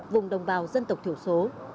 vùng đồng bào dân tộc thiểu số